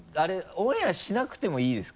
オンエアしなくてもいいですか？